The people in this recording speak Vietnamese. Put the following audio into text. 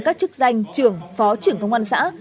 các chức danh trưởng phó trưởng công an xã